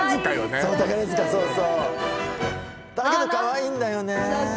そう宝塚だけどかわいいんだよね